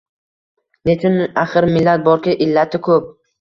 Nechun axir millat borki, illati koʼp